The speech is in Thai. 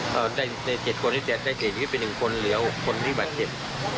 ใน๗คนที่ได้เจ็บก็เป็น๑คนเหลือ๖คนที่บัดเจ็บ